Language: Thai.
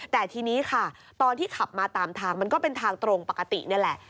แต่ทีนี้ค่ะตอนที่ขับมาตามทางมันก็เป็นทางตรงปกตินี่แหละ